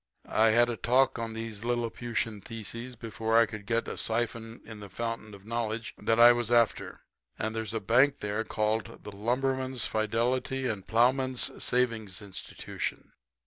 I had a talk on these liliputian thesises before I could get a siphon in the fountain of knowledge that I was after. And there's a bank there called the Lumberman's Fidelity and Plowman's Savings Institution.